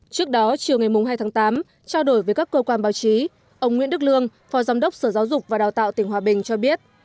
trước đó chiều ngày hai tháng tám trao đổi với các cơ quan báo chí ông nguyễn đức lương phó giám đốc sở giáo dục và đào tạo tỉnh hòa bình cho biết